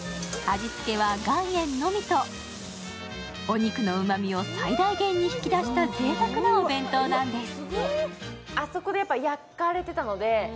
お肉のうまみを最大限に引き出したぜいたくなお弁当なんです。